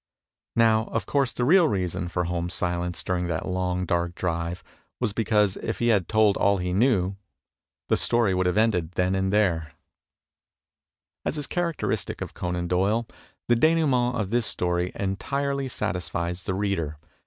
Now, of course, the real reason for Holmes' silence during that long, dark drive was because if he had told all he knew, the story would have ended then and there. 304 THE TECHNIQUE OF THE MYSTERY STORV As is characteristic of Conan Doyle, the difwuement of this story entirely satisfies the reader.